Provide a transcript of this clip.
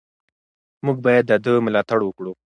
موږ باید د ده ملاتړ وکړو.